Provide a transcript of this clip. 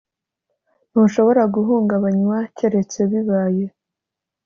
Ntushobora guhungabanywa keretse bibaye